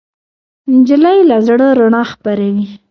نجلۍ له زړه رڼا خپروي.